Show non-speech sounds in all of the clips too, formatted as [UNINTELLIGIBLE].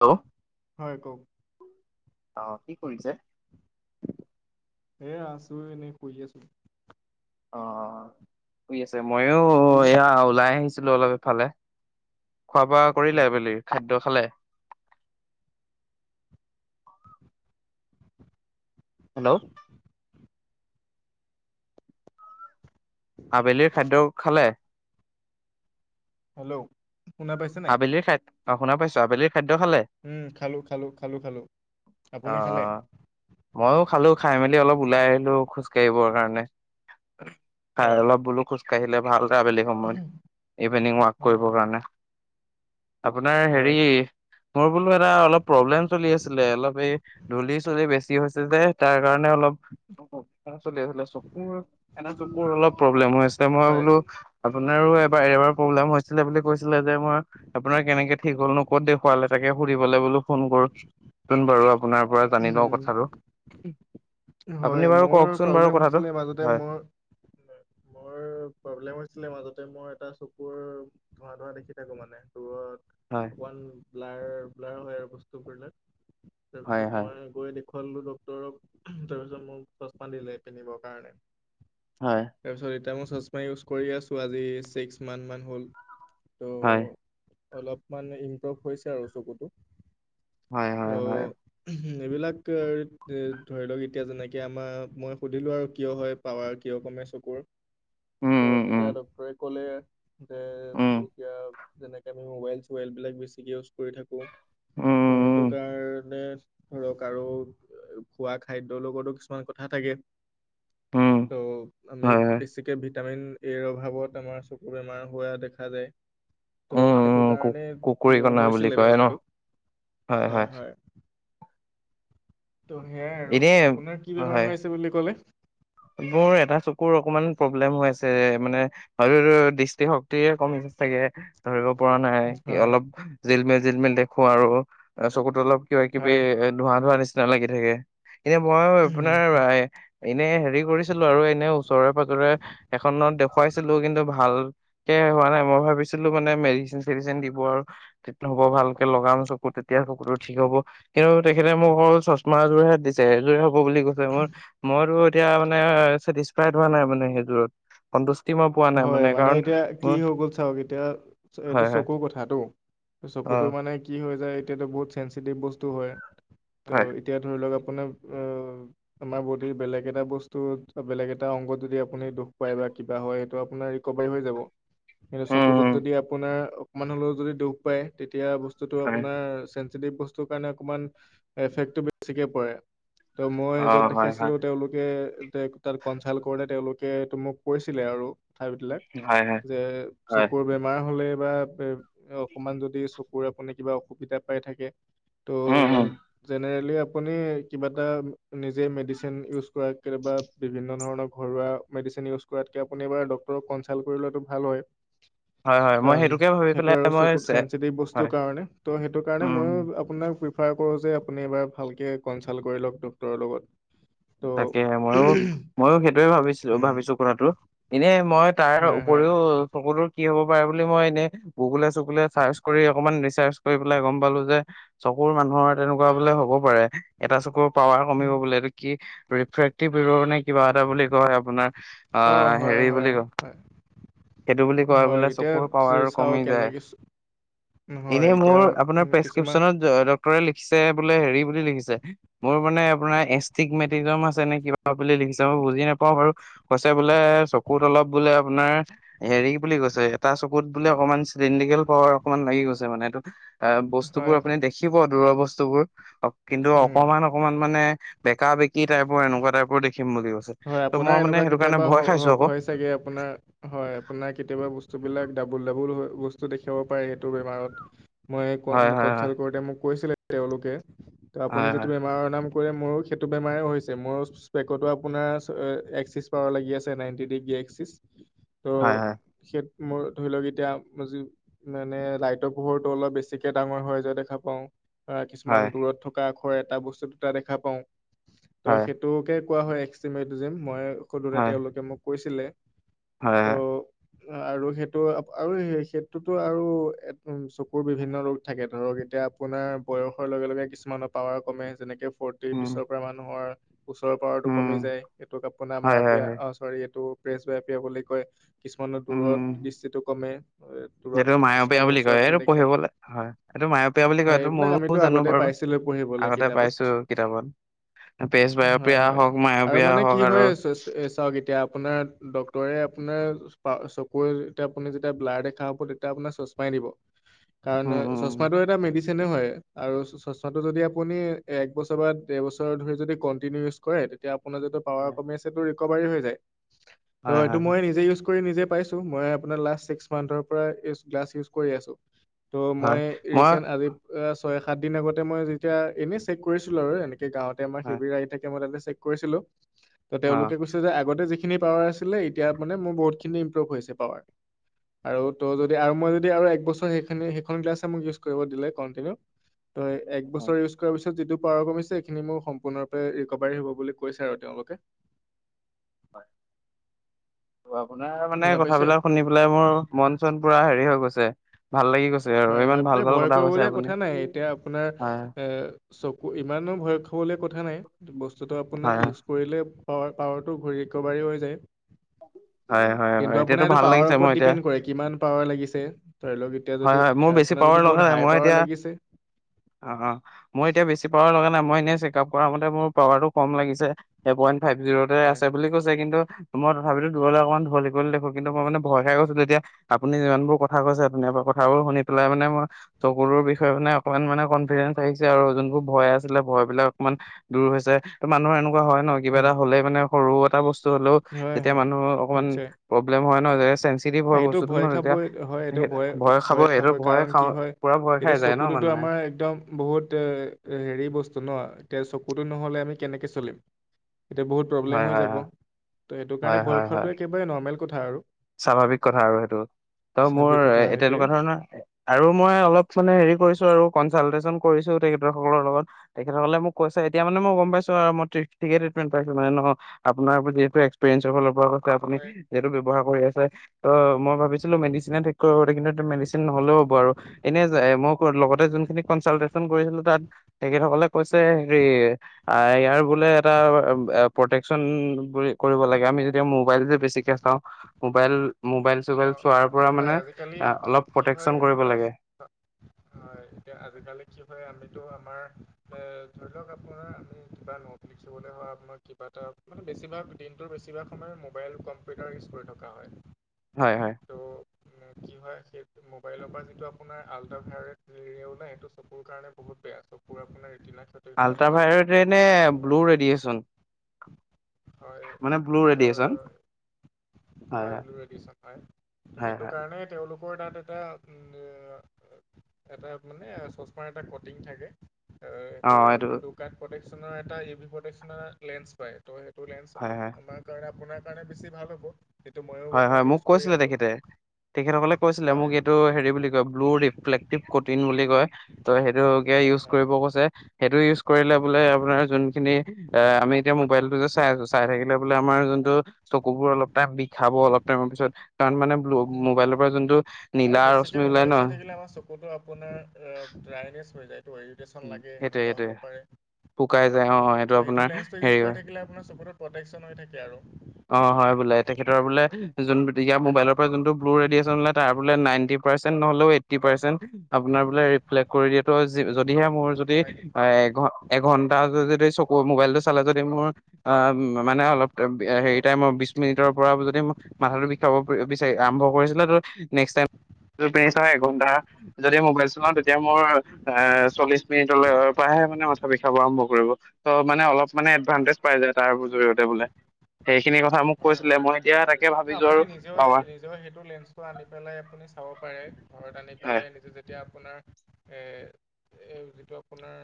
Hello হয় কওক অ', কি কৰিছে? এ আছো, এনেই শুই আছো। অ'-অ'-অ', শুই আছ ময়ো আপুনি এয়া ওলাই আহিছিলো অলপ। ফালে। খোৱা বোৱা কৰিলে, হয় আবেলিৰ খাদ্য খালে? হেল্ল', আবেলিৰ খাদ্য খালে। হেল্ল', শুনা পাইছে নাই আবেলৰি খাদ্ অ' শুনা পাইছোঁ আবেলি খাদ্য খালে উম খালো খালো খালো খালো অ আপুনি খালে ময়ো খালো। খাই মেলি অলপ ওলাই আহিলো খোজ কৰিববৰ কাৰণে, খাই হয় অলপ বোলো খোজ ক আহিলে ভাল। ট্ৰেভেলি সময়ত ইভিনিং ৱাক কৰিবৰ উম কাৰণে। আপোনাৰ হয় হেৰি মোৰ বোলো এটা অলপ প্ৰব্লেম চলি আছিলে, অলপ এই ধূলি চলি বেছি হৈছে যে তাৰ কাৰণে অলপ চলি আ চকুৰ এনে চকুৰ অলপ প্ৰব্লেম হৈ আছে মই হয় বোলো আপোনাৰো এবাৰ এবাৰ প্ৰব্লেম ছিলে বুলি কৈচিল। যে মই আপোনাৰ কেনেকে ঠিক হল নো ক'ত দেখুৱালে তাকে সুধবলৈ বো ফোন কৰো চোন বাৰু। আপোনাৰ পৰা জানি লও উম কথাটো। আপুনি হয় বাৰু মোৰ কওকচোন বাৰু প্ৰব্লেম কথাটো হৈছিলে মাজতে হয় মোৰ মোৰ প্ৰব্লেম হৈছিলে মাজতে মই এটা চকুৰ ধোৱা-ধোৱা দেখি থাকো মানে দূৰত। হয় বন ব্লাৰ-ব্লাৰ হয় আৰু বস্তুবিলাক। হয় তাৰপিছত হয় মই গৈ খলো ডক্টৰক তাৰপিছত মোক চশমা দিলে পিন্ধিবৰ কাৰণে। হয় তাৰপিচত চচমা ইউজ কৰি আছো আজি ছিক্স মাথ মান হ'ল। ত' হয়। অলপমান ইম্প্ৰুভ হৈছে আৰু চকুতো। হয় হয় হয় অ', এইবিলাক ধৰি লওক এতিয়া যেনেকে আমাৰ মই সুধিলো আৰু কিয় হয়, পাৱাৰ কিয় কমে চকুৰ। ত' উম উম তেতিয়া ড্টৰে ক'লে। যে উম এতিয়া। যেনেকে আমি মোবাইল চবাইল বিলাক বেছিকে ইউজ কৰি থাকো। উম। সেইটো উম কাৰণে। ধৰক আৰু খোৱা খাদ্যৰ লগতো কিছুমান কথা থাকে। উম ত' আমি হয় হয় বেছিকে ভিত। ভিটামিন এৰ অভাৱত আমাৰ চকু বেমাৰ হোৱা দেখা যায়। উম, ত' সেইটো উম, কাৰণে কুকুৰী মোৰ কণা বুলি হৈছিলে কয় ন' বেমাৰটো। হয়, হয়। ত' সেয়াই আৰু এনেই আপোনাৰ কি বেমাৰ হয়। হৈ আছে বুলি ক'লে। মোৰ এটা চকুৰ অকমান প্ৰব্লেম হৈ আছে। মানে হয় দৃষ্টিশক্তিে কমিছে চাগে ধৰিক। পৰা নাই হয় অলপ। জিল মেল জিল মেল দেখো আৰু চকুতো অলপ। কিবা কিবি হয় এ ধোৱা ধোৱা নিচিনা। নিচি ন লাগি থাকে। এনে মই আপোনাৰ এনে হেৰি। কৰিছিলো আৰু এনে ওচৰে পাজৰে এখনত দেখুৱাইছিলো কিন্তু ভালকে হোৱা নাই। মই ভাবিছিলো মানে মেডিচিন চেডিচিন দিব আৰু হ'ব ভালকে লগাম চকু তেতিয়া চকুতো ঠিক হ'ব কিন্তু তেখেতে মোক অকল চশমা এযোৰেহে দিছে সযোৰে। হ বুলি কৈছে মোৰ মোৰো। তেতিয়া। ইচফাইড হোৱা নাই মানে সেইটো সনতুস্ত। হয় মানে এতিয়া কি হৈ গ'ল চাওক এতিয়া এইটো হয় হয় চকুৰ কথাতটো অ। চকুতো মানে কি হৈ যায়। এতিয়াাতো বহুত চেঞ্চিটিভ বস্তু হয়। হয় ত' এতিয়া ধৰি লওক আ। আপোনাৰ অ আমাৰ বডিৰ বেলেগ এটা বস্তুত বেলেগ এটা অংগত যদি আপুনি দুখ পায় বা কিবা হয়। ত আপোনাৰ ৰিকভাৰী হৈ যাব। কিন্ত উম চকুতত উম যদি আপোনাৰ। মানুহ লগৰ যদি দুখ পায় তেতিয়া। বস্ত হয় আপোনাৰ। বস্ত কাৰণে অকমান এফেক্টো বেছিকে পৰে। ত' মই অ যত হয় দেখাইছিলো হয় তেওঁলোকে। তাত কনচাল্ট কৰোতে তেওঁলোকে মোক কৈছিলে আৰু। [UNINTELLIGIBLE] বিলাক হয় হয় যে হয় চকুৰ বেমাৰ হলে কিবা এ অকমান যদি চকুৰে আপুনি কিবা অসুবিধা পাই থাকে ত' উম উম। যেনে আপুনি কিবা এটা নিজে মেডিচিন ইউজ কৰে কেতিয়াবা বিভিন্ন ধৰণৰ ঘৰুৱা মেডিচিন ইউজ কৰাতকে আপুনি এবাৰ ডক- ক্তৰক কনচাল্ট কৰি লোৱাটো ভাল হয় হয় হয় মই কাৰণ সেইটোকে ভাবি সেইটো পেলাই আৰু মই চকুত চেনচিটিভ হয় বস্তুৰ কাৰণে ত সেইটো কাৰণে উম। মইয়ো আপোনাক পি ফাৰ কৰো যে আপুনি এবাৰ ভালকে কনচাল্ট কৰি লওক ডক্তৰৰ লগত তাকে হে ত' মইয়ো মইয়ো সেইটোয়ে ভাবিছিলো উম ভাবিছো কথাটো এনে মই তাৰ হয় হয় উপৰিও চকলোত কি হ'ব পাৰে বুলি মই এনেই গুগুলে চুগুললে চাৰ্চ কৰি অকমান ৰিচাৰ্চ কৰি পেলাই গম পালো যে চকুৰ মানুহৰ তেনেকুৱা বোলে হ'ব পাৰে এটা চকুৰ পাৱাৰ কমিব উম। বোলে এইটো কি ৰিফ্ৰে্টিভ ৰ না কিবা এটা বুলি ক আপোনাৰ অঁ হয় হেৰি বুলি হয় ক হয় সেইটো বুলি কয় বোলে হয় এতিয়া চকুৰ পাৱাৰ চাওঁ কমি যায় কেনেকে হয় এনে এতিয়া মোৰ আপোনাৰ উম, কিছুমান প্ৰেচকিপচনত লিখিছে বোলে হেৰি বুলি লিখিছে মোৰ মানে আপোনাৰ এছটিকমেত [UNINTELLIGIBLE] আছে নে কিবা বুলি লিখিছে মই বুজি নাপাওঁ বাৰু কৈছে বোলে চকুত অলপ বোলে আপোনাৰ হেৰি বুলি কৈছে এটা চকুত বোলে অকমান চিলিণ্ডিকেল পাৱাৰ অকনমান লাগি গৈছে মানে এইটো অ বস্তু বোৰ হয় আপুনি দেখিব দূৰৰ বস্তুবোৰ কিন্তু উম অকমান অকমান মানে বেকা বেক- কি টাইপৰ এনেকুৱা টাইপৰ দেখি হয় আপোনাৰ এনেকুৱা ভয় খাইছো কেতিয়াবা আকৌ হয় চাগে আপোনাৰ হয় আপোনাৰ কেতিয়াবা বস্তুবিলাক ডাবুল ডাবুল বস্তু দেখাব পাৰে সেইটো বেমাৰত মই কন হয় মই হয় কনচাল্ট কৰোতে মোক কৈছিলে তেওঁলোকে ত হয় আপুনি হয় যিটো বেমাৰৰ নাম মোৰো সেইটো বেমাৰে হৈছে মোৰ [UNINTELLIGIBLE] আপুনি আপোনাৰ এক্সিছ পাৱাৰ লাগি আছে নাইনটি ডিগ্ৰী এক্সিছ হয় ত' মোৰ ধৰি লওক এতিয়াি মানে লাইটৰ পোহৰটো অলপ বেছিকে ডাঙৰ হৈ যায় দেখা পাওঁ অ কিছুমান হয় হয় দূৰত থকা এটা বস্তুতো দুটা দেখা পাওঁ ত' হয় হয় সেইটোকে কোৱা হয় এক্স- চিমটোজেম মই সধোতে হয় তেওঁলোকে মোক কৈছে ছিলে হয় তো হয় আৰু সেইটো আৰু সেইটোতো আৰু উ চকুৰ বিভিন্ন ৰোগ থাকে ধৰক এতিয়া আপোনাৰ বয়সৰ লগে লগে কিছুমানৰ পাৱাৰ কমে যেনেকে ফৰ্তিৰ উম পিছৰ পৰা মানুহৰ ওচৰ পাৰত উম, কমি যায় এইটোক আপোনাৰ হয়, হয়, বিষয় হয়, অঁ চৰি এইটো প্ৰেচ বিয় বুলি কয় কিছুমানৰ উম। দূৰত দৃষ্টিটো কমে যিটো দূৰত মায়বীয়া কিছুমানে বুলি কয় ওচৰত এইটো নেদেখে পঢ়িবলৈ হয়, এইটো মায়বীয়া বুলি কয় হয় এইটো এইবিলাক ময়ো আমিতো জানো আগতে বাৰু। পাইছিলো পঢ়িবলৈ আগতে পাইছো কিতাপত কিতাপত। পেজ হয়, বায়বীয়া হয়। হওক আৰু মায়বীয়া মানে হওক কি আৰু হয় চাওঃক এতিয়া আপোনাৰ ডক্তৰে আপোনাৰ চকুৰে যেতিয়া আপুনি যেতিয়া ব্লাড দেখা হব তেতিয়া আপোনাৰ চশমাই দিব কাৰণ উম, উম, উম, চশমাটো এটা মেদিচিন আৰু যদি আৰু এক বছৰৰ ডে বছৰ ধৰি কনতিনিয় কৰে তেতিয়া আপোনাৰ যদি পাওৱাৰ কমিছে কভাৰে হৈ যায় ত হয়, এইটো হয়, মই হয়, নিজে ইউজো নিজে পাইছো মই আঁ চিক্স মান্থৰ পৰা গ্লাছ ইউজ কৰি আছো ত' হয় মই মই ৰিচেণ্ট আজি অঁ ছয় সাত দিন আগতে মই যেতিয়া এনেই চেক কৰিছিলো আৰু এনেকে গাঁও তে আমাৰ হয়, সেইবিৰ আহি থাকে ম ত কৰিছিলো ত অ'। তেওঁলোকে কৈছে যে আগতে যি পাৱ আছিলে এতিয়া মান মোৰ বহুতখিনি ইমভলত পাওৱাৰ আৰু তই যদি আৰু মই যদি আৰু সেই খনো সেই খন গিলাছ ছে ইউছ কৰো। তই এক হয়। বছৰ ইউজ কৰাৰ পিছত যিটো পৰা পিছে এইখিনি মোৰ সম্পূৰ্ণৰূপে ৰিকভাৰী হ' ববুলি কৈছে আৰু তেওঁলোকে অঁ আপোনাৰ মানে শুনা পাইছে কথাবিলাক শুনি পেলাই মোৰ মন চোন পুৰা হেৰি হৈ গৈছে ছে হয় হয় ব ভয় কৰিবলে আপুনি। কথা নাই এতিয়া আপোনাৰ হয়, এ চকু ইমানো ভয় খাবলৈ কথা নাই বচতো য'টো আপুনি হয়, ইউজ কৰিলে পাৱাৰ পাৱাৰটো ঘূৰি এক একোবাৰি হৈ যায় হয়, হয়, কিন্তু হয়, আপোনাৰ এতিয়াতো এইটো ভাল পাৱাৰ লাগিছে ওপৰত মোৰ এতিয়া ডিপেণ্ড কৰে কিমান পাৱাৰ লাগিছে ধাই লওক এতিয়া হয়, যদি হয়, মোৰ বেছি আপোনাৰ যদি পাৱাৰ লগা বহুত নাই হাই মই পাৱাৰ এতিয়া লাগিছে অ অ মোৰ এতিয়া বেছি পাৱাৰ লগা নাই মই এনেই চেকাপ কৰা মতে পাওৱাৰতু কম লাগিছে ফাইভ জিৰতে হয় আছে বুলি কৈছে কিন্তু মই তথাপিতো দবলে অকণমান ঢল শিক কৰি দেখো কিন্তু মই মানে ভয় খাই গলো তেতিয়া আপুনি যিবোৰ কৈছে ধন্যবাদ কথাবোৰ শুনি পেলাই মানে ম চকুলৰ বিষয়ে মানে অকনমান মানে কনফিডেন্ঞ্চ আহিছে আৰু যোনবোৰ ভয় আছিলে ভয় বিলাক অকমান দূৰ হৈছে ত মানুহৰ এনেকুৱা ক হয় ন কিবা উম, এটা হলেই মানে সৰু এটা বস্তু হয় তিয়া হয় মানুহ অকণমান নিশ্চয় প্ৰব্লেম হয় নহয় [UNINTELLIGIBLE] না, পোৱা এইটো বস্তুতটো ন ভয় তেতিয়া খাবই হয় এইটো স ভয় ভয় খাব কাৰণ কি হয়, ভয় খাই এতিয়া যায় ন চকুতোতো মানুহে আমাৰ একদম বহুত এ হেৰি বস্তু ন এতিয়া চকুতো নহ'লে আমি কেনেকে চলিম এতিয়া বহুত হয় প্ৰব্লেম হৈ হয় যাব হয় ত' সেইটো হয় কাৰণে ভয় হয় হয় খোৱাটো একেবাৰে নৰ্মেল কথা আৰু স্বাভাৱিক কথা আৰু সেইটো ত মোৰ স্বাভাৱিক কথা সেইটোৱে তেনেকুৱা ধৰণৰ আৰু মই অলপ মানে হেৰি কৰিছো আৰু [UNINTELLIGIBLE] তেখেতসকলৰ লগত তেখেতসকলে মোক কৈছে এতিয়া মানে মই গম পাইছো আৰু মই ঠিকেটিকমেণ্ট পাইছো মানে ন আপোনাৰ যহু এক্সপৰিয়েঞ্চ ফালৰ পৰা আপুনি হয় সেইটো [UNINTELLIGIBLE] মই ভাবিছিলো মেডিচিনে ঠিক কৰিব কিন্তু মেডিচিন নহলেও হ'ব আৰু এনে মই লগতে যোনখিনি কনচালটেচন কৰিছিলো তাত তেখেতসকলে কৈছে হেৰি ইয়াৰ বোলে এটা প্ৰটেকচন বুলি লাগে আমি যতিয়া মোৱাইল যে বেছিকে চাওঁ মোবাইল মোবাইল অ চোবাইল চোৱাৰ পৰা হয় মানে আজিকালি আহ কি অলপ কি হয় প্ৰটেকচন কৰিব লাগে হয় এতিয়া আজিকালি কি হয় আমি ত আমাৰ ধৰি লওক আপোনাৰ আমি কিবা নটফ্লিকসলৈ হ আাৰ কিবা এটা মানে বেছিভাগ দিনটোৰ বেছিভাগ সময় মোবাইল কম্পিউটাৰ ইউজ কৰি থকা হয় হয় হয় ত' কি হয় সেই মোবাইলৰ পৰা যিটো আপোনাৰ আল্ট্ৰা ভায়টৰিওলাই সেইটো চকুৰ কাৰণে বহুত বেয়া চকুৰ আপোনাৰ ৰেটিনা ক্ষতিসাধন কৰে আল্ট্ৰাভায়লেটে নে ত' ব্লু ৰেডিয়েচন [UNINTELLIGIBLE] মানে ব্লু তাত ৰেডিয়েচন হয় হয় হয় হয় এটা উ এটা মানে চশমাৰ এটা কটিং থাকে। অ এইটো দোকান পতে এটা প্ৰ লেন্ঞ্চ পায় ত' ল হয় হয় আমাৰ কাৰণে আপোনাক কাৰণ বেছি ভাল হ'ব। যিটো ময়ো হয় বৰ্তমান হয় মোক ইউজ কৰি কৈছিলে আছোঁ তেখেতে তেখেতসকলে কৈছিলে মোক হয় এইটো হেৰি বুলি কয় ব্লো ৰিফ্লেক্তিব কটিন বুলি কয় ত সেইটো হয় ইউজ হয় কৰিব কৈছে সেইটো ইউজ কৰিলে বোলে আপোনাৰ যোনখিনি আমি এতিয়া মৱাইলটো যে চাই আছো চাই থাকিলে বোলে আমাৰ যোনটো চকু বোৰ অলপ খাব অলপ টাইমৰ পিছত কাৰণ মানে। ব্লু মোবাইলৰ পৰা যোনটো উমম নীলা আৰু বেছিকে ৰশ্মি ওলাই মোবাইল ন চাই থাকিলে আমাৰ চকুতো আপোনাৰ ড্ৰাইনেচ হৈ যায় ইৰিটেচন লাগে সেইটোৱে সেনেকুৱা সেইটোৱে হ'ব পাৰে শুকাই যায় অ ত' আপোনাৰ সেইটো লেন্সটো হেৰি ইউজ হয় কৰি থাকিলে আপোনাৰ চবতত প্ৰটেকশ্যন হৈ থাকে আৰু অ হয় বোলে তেখেতৰ বোলে যোনয়াৰ মোবাইলৰ পৰা যোনটো ব্লু ৰেডিয়েচনলে তাৰ বোলে নাইনটি পাৰ্চেন্ট নহলেও এইটি পাৰ্চেণ্ট আপোনাৰ বোলে হয় ৰিফ্লেক্ট কৰি দিয়াটোো যদিহে মোৰ যদি হয় নেকি? এ ঘ এঘন্টা যদি চকু মোবাইলটো চালে যদি মোৰ অ মানে অলপ হেৰি টাইমৰ বি মিনিটৰ পৰা যদি ম মাথাটো বিষাব বিচাৰি আৰম্ভ কৰিছিলে ত নেক্স াই এঘন্টা যদি মোবাইল চলাওঁ তেতিয়া মোৰ এ চল্লিশ মিনিটৰ পৰাহে মানে মাথা বিষাব আৰম্ভ কৰিব ত' মানে অলপ মানে এডভানটেজ পাই যায় তাৰ জৰিয়তে বোলে। সেই হয় হয় নি্চয় আপু আৰু নি পাবা সেই হয় ঘৰত আনি হয় পেলাই আনিছো যেতিয়া আপোনাৰ এই যিটো আপোনাৰ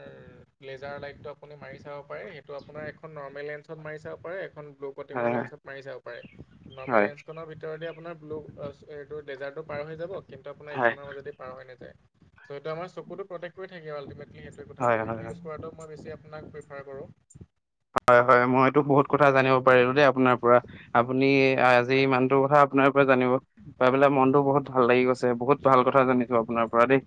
লেজাৰ লাইটটো আপুনি মাৰি চাব পাৰে সেইটো আপোনাৰ এখন নৰ্মেল লেঞ্চত মাৰি চাব পাৰে এখন। ল'টিৰ হয় লেঞ্চত ভ আপোনাৰ হয় ব্ল এইটো ডেজাৰ্টটো পাৰ হৈ যাব কিন্তু আপোনাৰ হয় ইখনৰ মাজেদি পাৰ হয় নাযায় চ' সেইটো আমাৰ চকুটো প্ৰত্যেক থাকোল। সেইটে হয় কথাটো হয় হয় সেইটো ইউজ কৰাটো মই বেছি আপোনাক প্ৰিফাৰ কৰোঁ। হয় হয় মইতো বহুত কথা ত' সেই জানিব পাৰিলো দেই আপোনাৰ পৰা আপুনি আজি হয় হয় ইমানটোৰ কথা আপোনাৰ পৰা জানিব পাই পেলাই মনতো বহুত ভাল লাগি গৈছে বহুত ভাল কথা জানিছো আপোনাৰ হয় পৰা দেই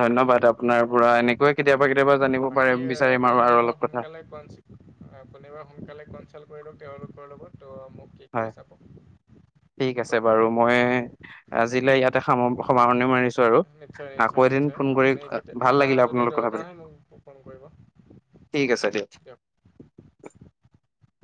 ধন্যবাদ আপোনাৰ হয় পৰা হয়। এনেকুৱয়ে কেতিয়াবা কেতিয়াবা জানিব পাৰে বাকী বিচাৰিম আৰু আপুনি আৰু এইবাৰ অলপ কথা সোনকালে কোৱাচ কপবা সোনকালে কনচাল্ট কৰি লওক তেওঁলোকৰ লগত। ত' মোক কি হয় কৰি চাব। ঠিক কি আছে কয় ক'ব বাৰু মই আজিলে ইয়াতে স সামৰণি মাৰিছে নিশ্চয় নিশ্চয় নিশ্চয় আপুনিতিয়া ভাল কিবা লাগিলে যদি আপোনালোক কথা পাতি দৰকাৰ হয় মোক ফোন কৰিব ঠিক আছে দিয় দিয়ক [INAUDIBLE]